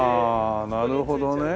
あなるほどね。